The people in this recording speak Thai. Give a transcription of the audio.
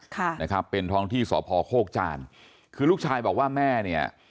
ค่ะนะครับเป็นท้องที่สพโคกจานคือลูกชายบอกว่าแม่เนี่ย